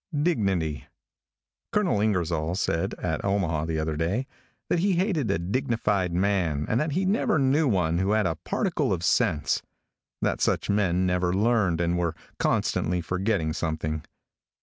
DIGNITY. |COLONEL INGERSOLL said, at Omaha the other day, that he hated a dignified man and that he never knew one who had a particle of sense; that such men never learned, and were constantly forgetting something.